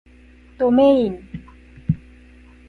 どめいん